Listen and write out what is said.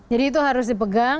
jadi itu harus dipegang